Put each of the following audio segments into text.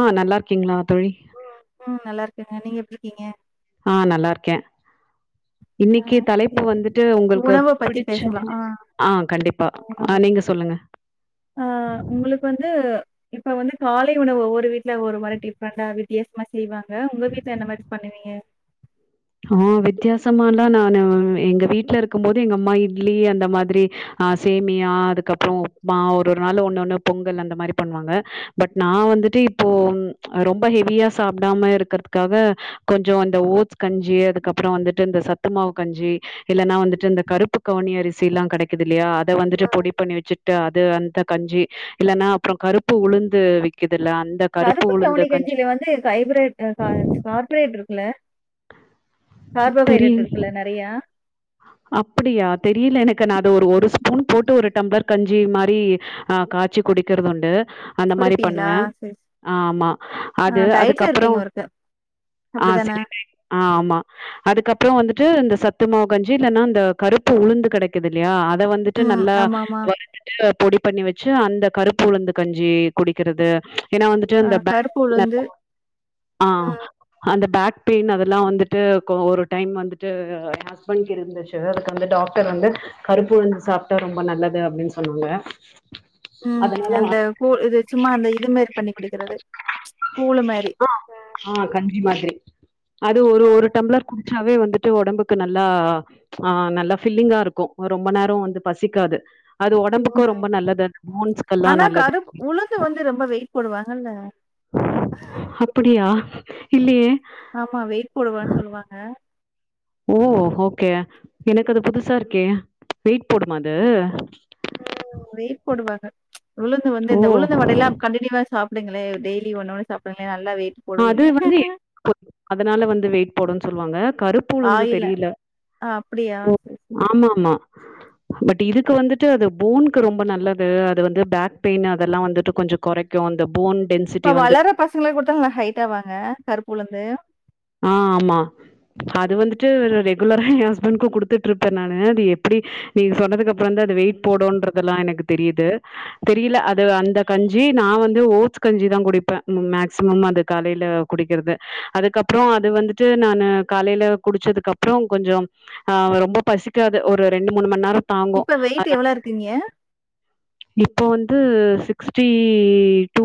ஆ நல்லா இருக்கிங்ளா தோழி ம் நல்லா இருக்கங்க நீங்க எப்டிருக்கீங்க ஆ நல்லா இருக்கே ஆ இன்னைக்கு தலைப்பு இருக்கு வந்துட்டு உங்களுக்கு உணவ பத்தி பிடிச்சா பேசலா ஆ ஆ கண்டிப்பா உணவு ஆ நீங்க சொல்லுங்க ஆ உங்களுக்கு வந்து இப்ப வந்து காலை உணவு ஒவ்வொரு வீட்ல ஒரு மாரி டிஃப்ரண்டா வித்தியாசமா செய்வாங்க உங்க வீட்ல என்ன மாரி பண்ணுவீங்க ஆ வித்தியாசமல்லா நானு எங்க வீட்ல இருக்கும்போது எங்க அம்மா இட்லி அந்த மாதிரி சேமியா அதுக்கப்பறோ உப்மா ஒரு ஒரு நாள் ஒன்னு ஒன்னு பொங்கல் அந்த மாரி பண்ணுவாங்க பட் நா வந் துட்டு இப்போ ரொம்ப ஹெவியா சாப்பிடாம இருக்கிறதுக்காக கொஞ்சோ அந்த ஓட்ஸ் கஞ்சி அதுக்கப்பறோ வந்துட்டு இந்த சத்துமாவு கஞ்சி இல்லனா வந்துட்டு இந்த கருப்பு கவுனி அரிசியெல்லா கெடைக்குது இல்லையா அத வந்துட்டு பொடி பண்ணி வெச்சுட்டு அது அந்த கஞ்சி இல்லனா அப்புறோ கருப்பு உளுந்து விக்கி கருப்பு கவுனி கஞ்சியில வந்து ஹைபிரேட் கா கார்பரேட் இருக்குல்ல கார்போஹைட்ரேட் இருக்கல்ல நெறயா அப்டியா தெரியல எனக்கு நா அத ஒரு ஒரு ஸ்பூன் போட்டு ஒரு டம்ளர் கஞ் சி மாரி ஆ காய்ச்சி குடிக்கிறது உண்டு அந்த மாரி பண்ணுவ குடிப்பீங்களா சரி ஆ ஆமா ஆ அது டயட்ல அதுக்கப்பறோ இருப்பீங்க ஒருக்க ஆ அப்டிதான [unintelligible] ஆ ஆமா அதுக்கப் அப்புறோ வந்துட்டு இந்த சத்துமாவு கஞ்சி இல்லனா இந்த கருப்பு உளுந்து கெடைக்குது இல்லயா அத வந்துட்டு ம் நல்லா ஆமா ஆமா வறுத்துட்டு பொடி பண்ணி வெச்சு அந்த கருப்பு உளுந்து கஞ்சி குடிக்கிறது ஏனா வந்துட்டு ஆ அந்த கருப்பு பேக் உளுந்து ஆ ம் அந்த பேக் பெய்ன் அதெல்லா வந்துட்டு ஒரு டைம் வந்துட்டு ஏ ஹஸ் பண்டுக்கு இருந்துச்சு அதுக்கு வந்து டாக்டர் வந்து கருப்பு உளுந்து சாப்ட்டா ரொம்ப நல்லது அப்டின்னு சொன்னாங்க ம் அதனால அந்த கூ இது சும்மா அந்த இது மாரி பண்ணி குடிக்கிறது கூழு மாரி ஆ ஆ கஞ்சி மாதிரி அது ஒரு ம் ஒரு டம்ளர் குடிச்சாவே வந்துட்டு ஒடம்புக்கு நல் நல்லா ஆ நல்லா ஃபில்லிங்கா இருக்கு ரொம்ப நேரோ வந்து பசிக்காது அது ஒடம்புக்கோ ம் ரொம்ப நல்லது போன்ஸ்கெல்லா ஆனா நல்லது கருப் உளுந்து வந்து ரொம்ப வெயிட் போடுவாங்கல்ல அப்டியா இல்லயே ஆமா வெயிட் போடுவன்னு சொல்லுவாங்க க்கே எனக்கு அது புதுசா இருக்கே வெயிட் போடுமா அது வெயிட் போடுவாங்க உளுந்து வந்து இந்த உளுந்து ஓ வடயெல்லா கண்டினியூவா சாப் டுங்களே டெய்லி ஒன்னு ஒன்னு சாப்டுங்ளே நல் அது வந்து [inaudible] அதனால வந்து வெயிட் போடுனு சொல்லுவாங்க கருப்பு உளுந்து ஆயில தெரியல ஆ அப்படியா? ஓ சரி, சரி. ஆமாமா பட் இதுக்கு வந்துட்டு அது போன்க்கு ரொம்ப நல்லது அது வந்து பேக் பெய்ன் அதெல்லா வந்துட்டு கொஞ்சோ கொறைக்கு இந்த போன் டென்சிட்டி இப்ப வந்து வளர்ற பசங்களுக்கு குடுத்தா நல்லா ஹைட் ஆவாங்க கருப்பு உளுந்து ஆ ஆமா அது வந்துட்டு ரெகுலரா எ ஹஸ்பண்ட்க்கு குடுத்துட்டு இருப்ப நானு அது எப்டி நீங்க சொன்னதுக்கு அப்புறந்தா அது வெயிட் போடோன்றததெல்லா எனக்கு தெரியுது தெரியல அது அந்த கஞ்சி நா வந்து ஓட்ஸ் கஞ் சிதா குடிப்ப மேக்சிமம் அது காலைல குடிக்கறது அதுக்க ப்றோ அது வந்துட்டு நானு காலைல குடிச்சதுக்கப்றோ கொஞ்சோ ஆ ரொம்ப பசிக்காது ஒரு ரெண்டு மூண் மண் நேரோ தாங்கு இப்ப வெயிட் எவ்ளோ இருக்கீங்க இப்ப வந்து சிக்ஸ்டி டூ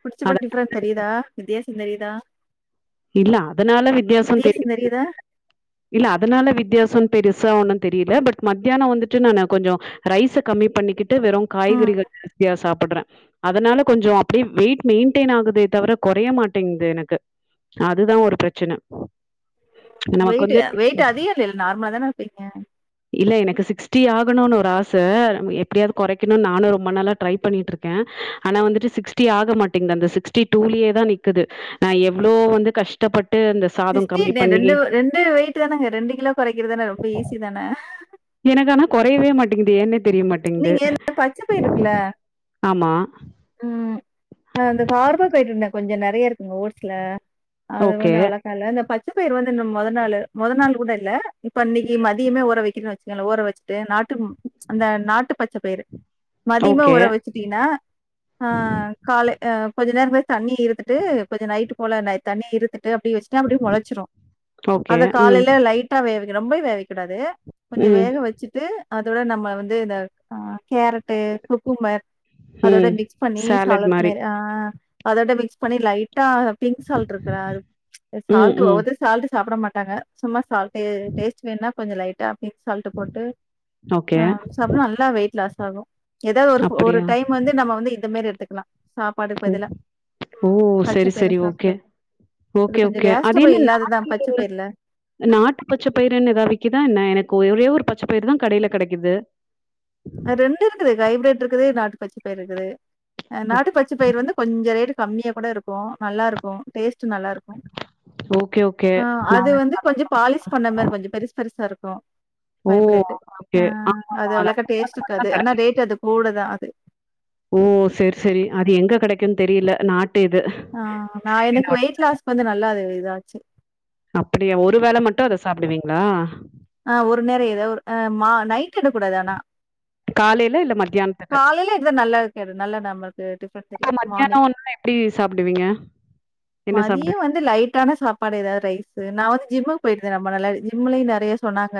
குடிச்சப்ப அத டிப்ரண்ட் தெரிதா வித்தியாசந் தெரிதா இல்ல அதனால வித்தியாச தெரி [inaudible] தெரியுதா? இல்ல அதனால வித்தியாசன்னு பெருசா ஒன்னு தெரியல பட் மத்தியானோ வந்துட்டு நானு கொஞ்சோ ரைஸ கம்மி பண்ணிக்கிட் வெறும் ம். காய்கறிகள் ஜாஸ்தியா சாப் படுறே அதனால கொஞ்சோ அப்டியே வெயிட் மெயின்டெயின் ஆகுதே தவர கொறைய மாட்டேங்குது எனக்கு அதுதா ஒரு பிரச்சன நமக்கு வெயிட்டு வந்து வெயிட்டு அதிக இல்லல்ல நார்மலா தான இருப்பீங்க இல்ல எனக்கு சிக்ஸ்ட்டி ஆகணும்னு ஒரு ஆச எப்டியாவது கொறைக்கணும்னு நானு ரொம்ப நாளா ட்ரை பண்ணிட்ருக்கே ஆனா வந்துட்டு சிக்ஸ்டி ஆ கமாட்டேங்து அந்த சிக்ஸ்டி டூலயே தா நிக்குது நா எவ்ளோ வந்து கஷ்டப்பட் சிக்ஸ்டி ரெண்டு ரெண்டு வெயிட் தானங்க ரெண்டு கிலோ கொறைக்கறதான ரொம்ப ஈஸிதா எனக்கு ஆனா கொறையவே மாட்டேங்குது ஏன்னே தெரியமாட்டேங்குது நீங்க இந்த பச்சை பயிறு இருக்குல்ல. ஆமா ஆ அந்த கார்போஹைட்ரேட் கொஞ்சோ நெறைய இருக்குங்க ஓட்ஸ்ல அது ஓகே வந்து அவ்ளோக்கால்ல இந்த பச் ச்சபயறு வந்து இந்த மொத நாளு மொத நாள் கூட இல்ல இப்ப இன்னக்கி மதியமே ஊற வைக்கன்னு வச்சிக்கோங்கலே ஊற வச்சிட்டு நா ட்டும் அந்த நாட் நாட்டு பச்ச பயறு மதியமே ஓகே ஊற வச்சிட்டீங்கன்னா ஆ காலே ஆ கொஞ்சோ நேரோ கழிச்சி தண்ணிய இருதுட்டு கொஞ்ச நைட்டு போல தண்ணி இருத்துட் டு அப்டியே வச்சிட்டா அப்டியே மொளச்சிரு ஓகே அத ம் காலேல லைட்டா வேக வைக்கனு ரொம்பயு வேக வக் கூடாது கொஞ்சோ ம் வேக வச்சிட்டு அதோட நம்ம வந்து இந்த அ கேரட்டு குகும்பர் அதோட ம் மிக்ஸ் பண்ணி சாலட் மாரி ஆ அதோட மிக்ஸ் பண்ணி லைட்டா பிங்க் சால்ட் இருக்குல அது ம் சால்ட் ம் ஒவ்வொருதரு சால்ட்டு சாப்ட மாட் மாட்டாங்க சும்மா சால்ட்டு டேஸ்ட்டு வேணுன்னா கொஞ்சோ லைட்டா சால்ட் போட்டு ஓகே ஆங் சம் மல் லாஸ் ஆகு ஏதாவ் ஒரு ஒரு அப்படியா டைம் வந்து நம்ம வந்து இந்த மாரி எடுத்துக்லா ஓ சாப்பாடுக்பதுலா ஓ! பச்ச சரி பயர சரி ஓகே சாப்றது அது ஓகே, கொஞ்ச ஓகே. அது கேஸ்டபிள் என்ன இல்லாததா நாட்டு பச்ச பயர்ல நாட்டு பச்சப் பயறுன்னு ஏதா விக்குதா என்ன எனக்கு ஒரே ஒரு பச்சைப்பயிரு தா கடையில கெடக்குது ரெண்டு இருக்குது ஹைப்ரேட்ருக்குது நாட்டு பச்ச பயிருக்குது அ நாட்டுப்பச்ச பயிர் வந்து கொஞ்ச ரேட்டு கம்மியா கூட இருக்கு நல்லாருக்கு டேஸ்ட் ஞ்ச நல்லாருக்கு ஓகே, ஓகே. அ நான் அது வந்து வேணா கொஞ்சொ பாலிஷ் பண்ண மாரி கொஞ்ச பெருஸ் பெருசாருக்கு ஓ! பைப்ரேட்டு ஆ ஓகே. ஆமாமா. அது அவ்ளக்கா அங்கேயும் அது டேஸ்ட் மட்டும் ருக்காது தான் ஆனா கெடைக்கும். ரேட் அது கூடதா அது ஓ சரி சரி அது எங்க கெடைக்குன் தெரியல நா ஆ நா எனக்கு வெயிட்லாஸ்க்கு வந்து நல்லா இதாச்சு அப்படியா ஒரு வேள மட்டு அத சாப்பிடுவீங்ளா ஆ ஒரு நேர ஏதாவ் நைட் எடுக்கூடாதானா காலையில இல்ல மத்தியானத்துக்கு? காலைல எடுதா நல்லாருக் நல்லா நம்மல்கு டிப்ரன்ட் தெரியு மார்னிங் சாப்புடுவீங்க மதிய வந்து லைட்டான சாப்பாடு ஏதாது ரைஸு நா வந்து ஜிம்முக்கு போயிருந்தே நம்ம நல்லா ஜிம்லயு நெறைய சொன்னாங்க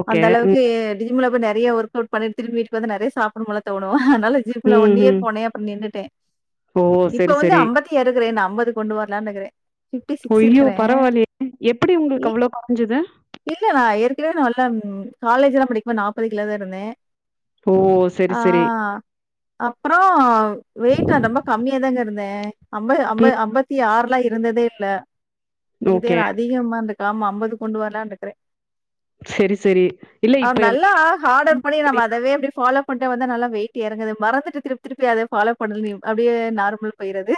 ஓகே. அந்தளவுக்கு ம். ஜிம்ல போய் நெறைய நெறைய ஒர்க்கவுட் பண்ணிட்டு திரும்ப வீட்டுக்கு வந்து நெறைய சாப்புடும்போல தோணு அதனால ஜிம்ல ஒன் ம்ஹ்ம். இயர் போனே அப்றோ நின்னுட்ட ஓ! இப்ப சரி, வந்து சரி. அம்பத்தி எறக்குறே இனி அம்பது கொண்டு வரலான்னுருக்குறே ஓய்யோ பரவாயில்லயே எப்படி உங்களுக்கு ஏ அவ்ளோ கொறஞ்சது இல்ல நா ஏற்கனவே நா காலேஜ் எல்லா படிக்கும்போது நாப்பது கிலோ தா இருந்தே ஓ! சரி, ஆ சரி. அப்பறோ வெயிட்டு ரொம்ப கம்மியா தாங்க இருந் த அம்ப அம்பது ம். அம்பத்தி ஆறெல்லா இருந்ததே இல்ல இதே ஓகே. நா அதிகமான்று ஆம அம்பது கொண்டு வரலான்ருக்குறே சரி, சரி. இல்ல இப்ப அம் நல்லா வீடு ஹார்டுஒர்க் ம். பண்ணி நம்ம அப்படின்னா அதவே அப்டி ஃபாலோ போிட்ட வந்தா நல்லா வெயிட் எறங்கது மறந்துட்டு திருப்பி திருப்பி அத ஃபாலோ பண்ணலு அப்படியே நார்மல் போய்றுது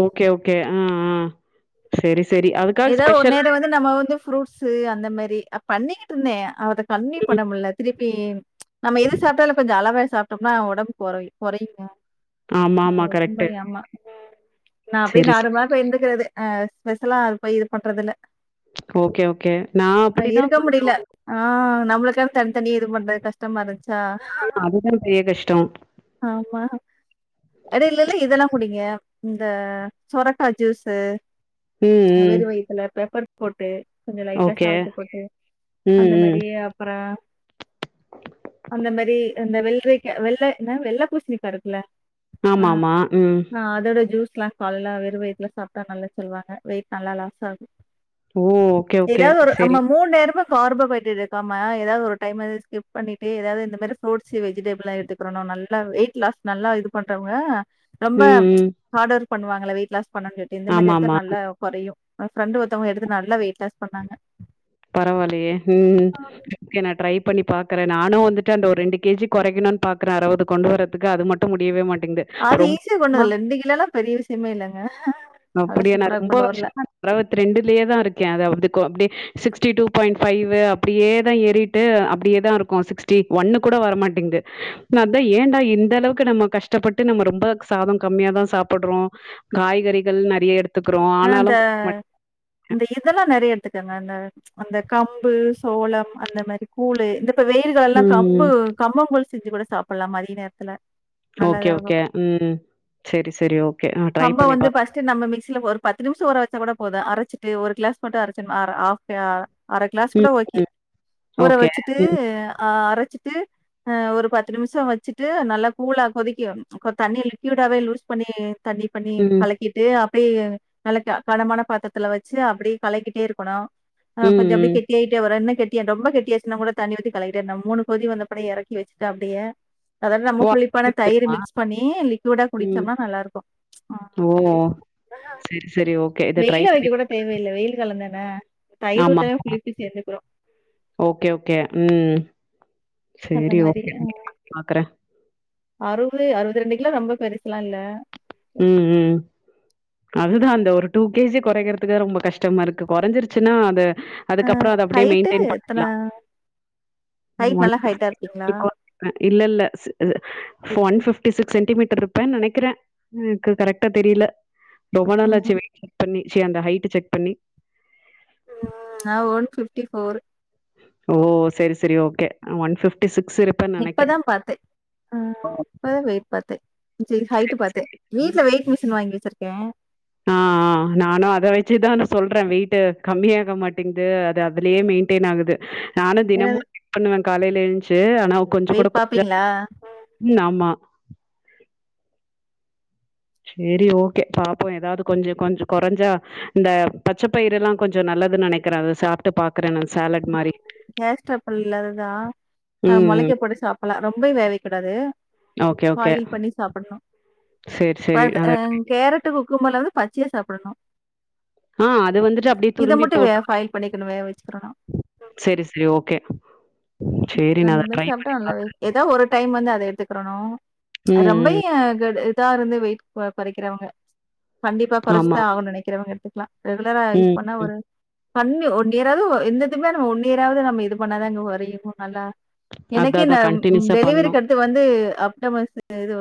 ஓகே ஓகே ஆ ஆ சரி, சரி. அதுக்காக ஏதாவ் ஒரு ஸ்பெஷலா நேரோ வந்து நம்ம வந்து ஃப்ரூட்ஸ் ஸு அந்த மாரி பண்ணிக்கிட்ருந்தே அத கண்டினியு ம். பண்ணமுடில திருப்பி நம்ம எது சாப்ட்டாலு கொஞ்சொ அளவா சாப்டோம்னா ஒடம்பு கொறையு கொறையுங்க ஆமா ஆமா கரெக்ட்டு நா அப்டியே சரி, சரி. நாருமாச இருந்துக்கறது அ ஸ்பெஷலா அது போய் இது பண்றதில்ல ஓகே, ஓகே. நான் அப்படிதான் இருக்க முடியல கொஞ்சம் ஆ நம்மளுக்கு தனி தனி இது பண்றது கஷ்டமாருந்ச்சு ஆ அதுதா பெரிய்ய கஷ்டோ ஆமா எடைலல்ல இதெல்லா குடிங் இந்த சொரக்கா ஜூஸ்ஸு ம், ம். வெறு வயித்துல பெப்பர் போட்டு கொஞ்ச லைட்டா ஓகே. சால்ட்டு போட்டு ம், அந்த ம். மாரி அப்புற அந்த மாரி அந்த வெள்ரிக்க வெள்ள என்ன வெள்ள பூசணிக்கா ருக்குல ஆ ஆமாமா. ம். ஆ அதோட ஜூஸ் லாம் காலலா வெறு வயதுல சாப்ட்டா நல்லது சொல்லுவாங்க வெயிட் நல்லா லாஸ் ஆகு ஓ! Okay, okay. ஏதாவொ ரு நம்ம சரி. மூண்ணேரமு கார்போஹைட்ரேட் எடுக்காம ஏதாவது ஒருடைம ஸ்க்ப் பண்ணிட்டு ஏதாவது இந்த மாரி ஃரூட்ஸ்ஸு வெஜிடபிள்லா எடுத்துக் நல்ல வெயிட் லாஸ் நல்லா இது பண்றவங்க ரொம்ப ம், ம். ஹார்ட் ஒர்க் பண்ணுவாங்கள வெயிட் லாஸ் பண்ணேட்ட இந்த மாரி எடுத்தா ஆமாமா. நல்லா கொறையு ஃப்ரெண்டு் ஒருத்தவங்க எடுத்து நல்லா வெயிட் லாஸ் பண்ணாங்க பரவால்லையே ம் மிக்க நா டிரை பண்ணி பாக்கறே நானு வந்துட்டு அந்த ஒரு ரெண்டு கேஜி கொறைக்கணுன்னு பாக்குற அறுவது கொண்டு வரதுக்கு அது மட்டு முடியவே மாட் அது ஈஸியா கொண்டுவந்த ரெண்டு கிலோலா பெரிய விஷ்யமே இல்லங்க அதெல்லாம் அப்படியா நா சூப்பரா ரொம்ப கொண்டு வரல. வருஷ்ஷமா அறுவத்தி ரெண்டுலயே தா ருக்கே அது வந்து கொ அப்டியே சிக்ஸ்டி டூ பாயிண்ட் ஃபைவு அப்படியே தா ஏறிட்டு அப்டியே தா ருக்கு சிக்ஸ்டி ஒன்னு கூட வரமாட்டேங்குது அத்தான் ஏண்டா இந்த அளவுக்கு நம்ம கஷ்டப்பட்டு நம்ம ரொம்ப சாதம் கம்மியாதான் சாப்டுறோம் காய்கறிகள் நறைய எடுத்து ஆ இந்த இந்த இதெல்லா நறைய எடுத்துக்கங்க இந்த அந்த கம்பு சோளம் அந்த மாதிரி கூழ் இந்த இப்ப வெயில்காலம் எல்லாம் கம்பு ம். கம்பங்கூழ் செஞ்சு கூட சாப்டலா மதிய நேரத்துல ஓகே, நல்லதாகும் ஓகே. ம். சரி, சரி. ஓகே. நான் ட்ரை கம்ப பண்ணி வந்து பாக்குறேன். ஃபர்ஸ்ட் நம்ம மிக்சில பொ பத்து நிமிஷம் ஊற வச்சா கூட போதும் அரைச்சிட்டு ஒரு கிளாஸ் மட்டும் அரைச்சும் ஆஃப அரை கிளாஸ் கூட ம். ஓகே ஊற ஓகே. வச்சிட்டு ம், அ அரைச்சிட்டு ஆ ஒரு பத்து நிமிஷம் வச்சுட்டு நல்லா கூலா கொதிக்கிறனு தண்ணி லிக்விடாவே லூஸ் பண்ணி தண்ணி பண்ணி ம், கலக்கிட்டு அப்படியே நல்ல கனமான பாத்திரத்துல வச்சு அப்படி கலக்கிட்டே இருக்கணும் ம், கொஞ்சம் அப்படி ம். கெட்டியாகிட்டே வரும் இன்னும் க ரொம்ப கெட்டியாச்சுன்னா கூட தண்ணி ஊத்தி கலக்கிட்டே இருந்து மூணு கொதி வந்த பிறகு இறக்கி வச்சுட்டு அப்படியே அதுலலா ரொம்ப ஓ! அதுலயே புளிப்பான தயிர் வந்துருமா? மிக்ஸ் பண்ணி லிக்விடா ம். குடிச்சோம்னா நல்லா இருக்கும் ஓ! சரி சரி ஓகே. இத ட்ரை வெயில்ல வைக்க பண்ணி கூட பார்க்குறேன். தேவையில்ல வெயில் காலந்தானே தயிர் ஆமா. ஊத்தலனா குளிப்பி சேர்ந்துக்கிறோ ஓகே, ஓகே. ம். சரி ஓகே பாக்குறே அறுவது அறுவத்திரெண்டு கிலோ ரொம்ப பெருசுலா இல்ல ம் ம் அதுதான் அந்த ஒரு டூ கேஜி குறைக்கிறதுக்கு ரொம்ப கஷ்டமா இருக்கு குறைஞ்சிருச்சுன்னா அது அதுக்கப்புறம் அது அப்படியே ஹைட்டு மெயின்டெய்ன் எத்தன? பண்ணிக்கலா ஹைட் நல்லா ஹைட்டா இருப்பீங்களா? இல்ல இல்ல ஒன் பிஃப்டி சிக்ஸ் சென்டிமீட்டர் இருப்பேன்னு நினைக்கிறே எனக்கு கரெக்டா தெரியல ரொம்ப ம். நாளாச்சு வெயிட் செக் பண்ணி சி ஆன்ட் ஹைட்டு செக் பண்ணி நான் ஒன் ஃபிஃப்டி ஃபோர் ஓ சரி சரி ஓகே ஒன் ஃபிஃப்டி சிக்ஸ் இப்பதான் பார்த்தே ஆ இப்ப தான் வெயிட் பார்த்தேன் சரி ஹைட் பா்த்தேன் வீடல வெயிட் மெஷின் வாங்கி வெச்சிருக்கே ஆ, ஆ நானு அத வெச்சுதா நா சொல்ற வெயிட் கம்மியாக மாட்டேங்குது அது அதுலேயே மெயின்டென் ஆகுது நானு தினமு என்னது செக் பண்ணுவே காலைல எழுந்ச்சு நா கொஞ்ச கூட வெயிட் பாப்பீங்களா? [inaudible] ம் ஆமா சேரி ஓகே பாப்போ எதாவது கொஞ்ச கொஞ்ச கொறஞ்சா இந்த பச்ச பயிரெல்லா கொஞ்ச நல் துன் நெனைக்கிற அத சாப்ட்டு பாக்குற நான் சாலட் ஆ மாரி. கேஸ் ட்ரபிள் இல்லதுதா அ ம். மொளைக்க போட்டு சாப் பலா ரொம்ப வேக வைக் கூடாது ஓகே, ஓகே. பாயில் பண்ணி சாப்படலா சரி, அ சரி. அது அத கேரட்டுக்கு ம்மல வந்து பச்சையா சாப்பிடணு ஆ அது வந்துட்டு அப்டியே துரும்பி வே போட் ஃபாயில் பண்ணிக்கணும் வேக வச்சுக்கிறணும் செரி செரி ஓகே சரி நான் அந்த அத மாரி ட்ரை சாப்ட்டா பண்ணி நல்லா பாக்குறேன். வெய்ட் எதா ஒரு டைம் வந்து அத எடுத்துக்கிறணு ம், ரொம்ப ம். இதா இருந்து வெயிட் கொறைக்கிறவங்க கண்டிப்பா ஆமா கொறைச்சுதா ஆகணுன் நெனைக்கிறவங்க எடுத்துக்கலா ரெகுலரா யூஸ் ம் பண்ண ம் ஒரு பண்ணி ஒன் இயராவது எந்த இதுமே நம்ம ஒன் இயராவது நம்ம இது பண்ணாதாங்க கொறையு நல்லா அதா எனக்கே அதா இந்த கண்டினியூஸா பண்ணு டெலிவரிக்கடுத்து வந்து அப்டமண் இது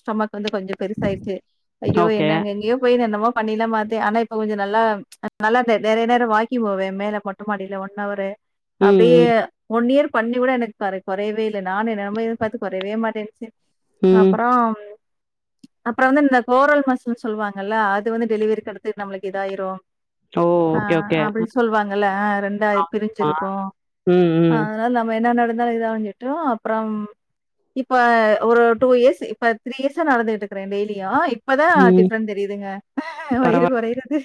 ஸ்டொமக் வந்து கொஞ்ச பெருசாயிருச்சு ஐயோ ஓகே. என்னங்க எங்கெங்கயோ போய் என்னமோ பண்ணில்லா பாத்தே ஆனா இப்ப கொஞ்ச நல்லா நல்லா நெறைய நேர வாக்கிங் போவே மேல மொட்ட மாடில ஒன் அவரு ம் அப்டியே ம் ஒன் இயர் பண்ணி கூட எனக்கு க கொறையவே இல்லை நானு என்னென்னமோ இது பாத்து கொறையவே மாட்டேன்ச்சு ம். அப்பறம் அப்பற வந்து அந்த கோரல் மசல்னு சொல்லுவாங்கல்ல அது வந்து டெலிவரிக்கடுத்து நம்மளுக்கு இதாயிரு ஓ! ஆ ஓகே ஓகே. அப்டின் சொல்வாங்கல்ல ரெண்டா ஆமா. பிரிஞ்சிருக்கு ம் ம் என்ன நடந்தாலு இத அவங்கிட்டு அப்றம் இப்ப ஒரு டூ இயர்ஸ் இப்ப த்ரீ இயர்ஸா நடந்துகிட்ருக்குறே டெய்லியு இப் பதா ம். டிஃப்ரன்ட் தெரியுதுங்க வயிறு பரவால்ல. கொறயறது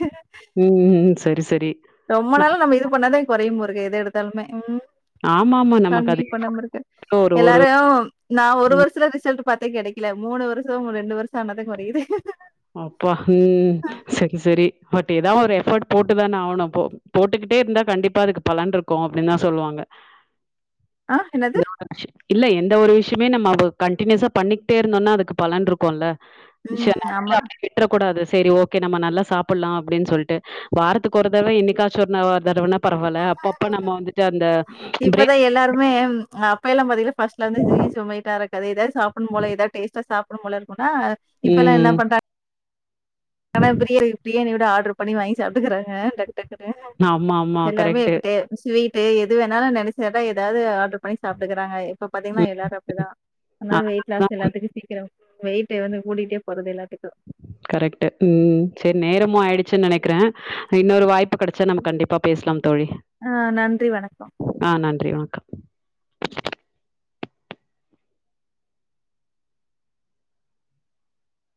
ம் ம் ம். சரி சரி. ரொம்ப ந நாளா நம்ம இது பண்ணாதா கொறையும் போல்ருக்கு எது எடுத்தாலுமே ம் ஆமாமா நமக்கு அது கண்டிப்பா எஃபோர்ட் நம்மருக்கு ஒரு ஒரு எல்லாரு நா ஒரு ம் வருஷத்துல ரிசல்ட் பாத்தே கெடைக்கல மூணு வருஷ ரெண்டு வருஷ ஆனாதா கொறயுது அப்பா! ம் சரி சரி. பட் ஏதா ஒரு எஃபர்ட் போட்டுதானே ஆவணு போ போட்டுக்கிட்டே இருந்தா கண்டிப்பா அதுக்கு பலன்ருக்கு அப்டின்தா சொல்லுவாங்க ஆ என்னது இல்ல எந்த ஒரு விஷ யத்தைமே நம்ம வ கண்ட்டினியூஸா பண்ணிகிட்டே இருந்தோன்னா அதுக்கு பலன் இருக்குல்ல ம் ஆமா விட்றக்கூடாது சேரி ஓகே நம்ம நல்லா சாப்பட்லா அப்படின் சொல்ட்டு வாரத்துக்கு ஒரு தடவ என்னைக்காச்சு ஒரு நா ஒரு தடவன்னா பரவால்ல அப்பப்ப நம்ம வந்துட்டு அந்த ப்ரே இப்ப எல்லாம் பாத்தீங்னா ஃபர்ஸ்ட்லேர்ந்து சுகி சோமேட்டா எனக் அதேதா சாப்பட்னு போல எதா டேஸ்டா சாப்பட்னு போல இருக்கு ஆ இப்பல்லா என்ன ம் பண்றா ஆனா பிரியா பிரியாணி விட ஆட்ரு பண்ணி வாங்கி சாப்ட்டுக்குறாங்க ட ஆமா ஆமா எல்லாமே கரெக்ட்டு. இப்படே ஸ்வீட்டு எது வேணாலு நெனச்சினட்டா ஏதாது ஆட்ரு பண்ணி சாப்ட்டுக்குறாங்க இ இப்ப பாத்தீங்னா ம் எல்லாரு அப்டிதா அனால வெயிட் அதனாலதா லாஸ் எல்லாத்துக்கு சீக்கிரொ வெய்ட்டு வந்து கூடிட்டே போறது எல்லாத் கரெக்ட்டு ம் சேர் நேரமு ஆயிடுச்சுன் நெனக்கிற இன்னொரு வாய்ப்பு கெடச்சா நம்ம கண்டிப்பா பேஸ்லாம் தோழி ஆ நன்றி வணக்கம் ஆ நன்றி வண